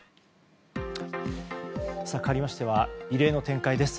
かわりましては異例の展開です。